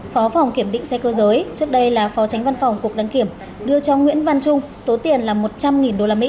phó phòng kiểm định xe cơ giới trước đây là phó tránh văn phòng cục đăng kiểm đưa cho nguyễn văn trung số tiền là một trăm linh usd